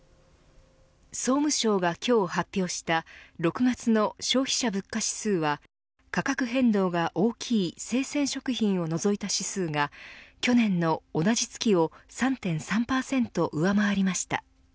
総務省が今日発表した６月の消費者物価指数は価格変動が大きい生鮮食品を除いた指数が去年の同じ月を３．３％上回りました。